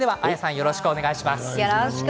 よろしくお願いします。